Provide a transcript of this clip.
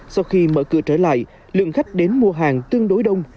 sau khi mở cửa trở lại lượng khách đến mua hàng tương đối đông